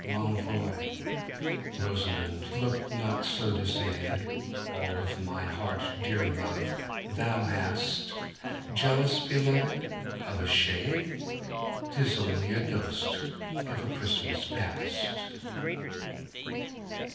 L'ENVOIRosamond! look not so dismayed, All of my heart, dear love, thou hastJealous, beloved? Of a shade?— 'Tis only a ghost of a Christmas Past.